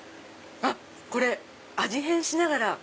これ味変しながら。